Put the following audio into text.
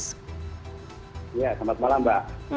iya selamat malam mbak